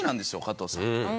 加藤さん。